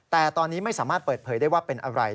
แต่ตอนนี้ไม่สามารถเปิดเผยได้ว่าเป็นอะไร